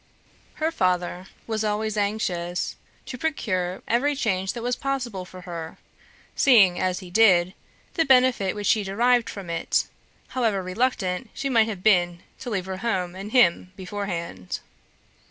Her father was always anxious to procure every change that was possible for her, seeing, as he did, the benefit which she derived from it, however reluctant she might have been to leave her home and him beforehand.